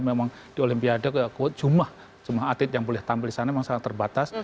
memang di olimpiade jumlah atlet yang boleh tampil di sana memang sangat terbatas